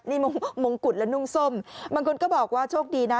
นี่มงกุฎและนุ่งส้มบางคนก็บอกว่าโชคดีนะ